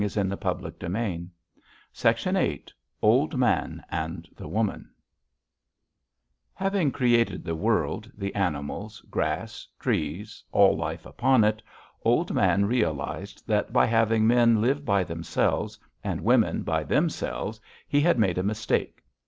Let us have now, the old chief's story of OLD MAN AND THE WOMAN "Having created the world, the animals, grass, trees, all life upon it, Old Man realized that by having men live by themselves, and women by themselves, he had made a mistake.